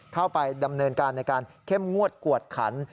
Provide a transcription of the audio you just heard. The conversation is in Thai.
เข้าไปดำเนินการในการเข้มงวดกวดขัน